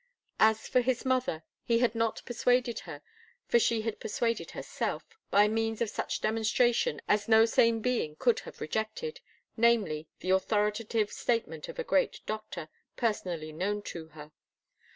As for his mother, he had not persuaded her, for she had persuaded herself by means of such demonstration as no sane being could have rejected, namely, the authoritative statement of a great doctor, personally known to her.